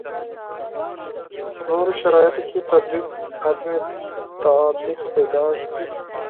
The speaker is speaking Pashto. نورو شرایطو کې تطبیق عدم تطابق پیدا کړي.